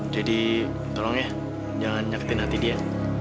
jadi tolong ya jangan nyakitin hati dia